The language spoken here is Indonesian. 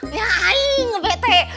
nyala aing bete